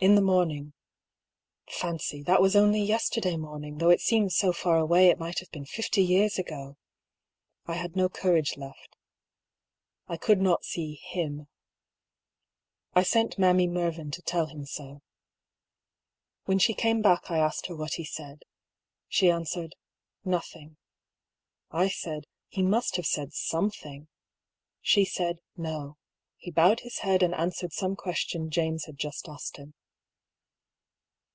In the morning — (fancy, that was only yesterday morning, though it seems so far away it might have been fifty years ago I) — I had no 130 I>R. PAULL'S THEORY. courage left. I could not see him. I sent Mammy Mer vyn to tell him so. When she came back I asked her what he said. She answered, " No thing." I said :" He must have said something.''^ Shesaid :" N"o. He bowed his head, and answered some question James had just asked him."